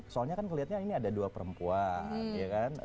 soalnya kan kelihatannya ini ada dua perempuan ya kan